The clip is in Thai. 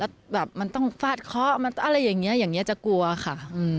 แล้วแบบมันต้องฟาดเคาะมันอะไรอย่างนี้อย่างนี้จะกลัวค่ะ